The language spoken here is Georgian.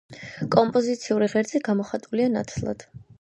კომპოზიციური ღერძი გამოხატულია ნათლად.